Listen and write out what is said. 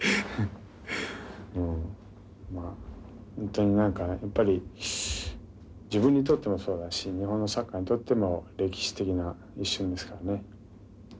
本当に何かやっぱり自分にとってもそうだし日本のサッカーにとっても歴史的な一瞬ですからね。